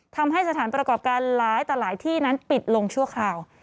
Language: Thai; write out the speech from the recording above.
ทำให้สถานประกอบการหลายต่อหลายที่นั้นปิดลงชั่วคราว